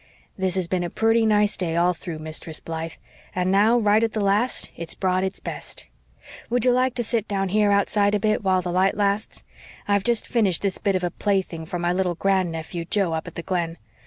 "This has been a purty nice day all through, Mistress Blythe, and now, right at the last, it's brought its best. Would you like to sit down here outside a bit, while the light lasts? I've just finished this bit of a plaything for my little grand nephew, Joe, up at the Glen.